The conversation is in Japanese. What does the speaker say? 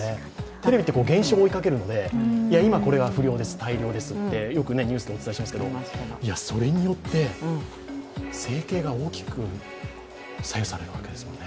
テレビって現象を追いかけるので今、これが不漁です、大漁ですとニュースでお伝えしますがそれによって生計が大きく左右されるわけですよね。